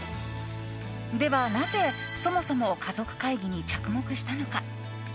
では、なぜそもそもかぞくかいぎに着目したのか。